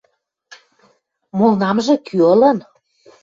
Молнамжы кӱ ылын?